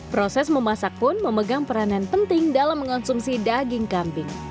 proses memasak pun memegang peranan penting dalam mengonsumsi daging kambing